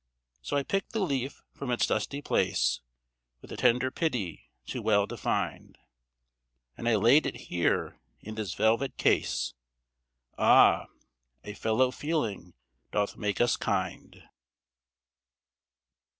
So I picked the leaf from its dusty place, With a tender pity too well defined. And I laid it here in this velvet case, Ah! a fellow feeling doth make us kind.